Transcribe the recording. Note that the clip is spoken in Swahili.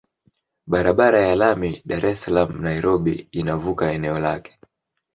Barabara ya lami Dar es Salaam Nairobi inavuka eneo lake